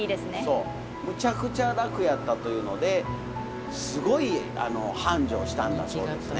そうむちゃくちゃ楽やったというのですごい繁盛したんだそうですね。